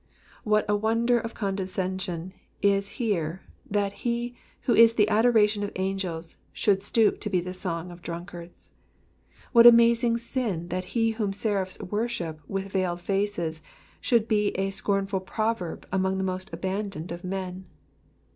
What a wonder of condescension is here that he who is the adoration of angels should stoop to be the song of drunkards ! What amazing sin that he whom seraphs worship with veiled faces should be a scornful proverb among the most abandoned of men.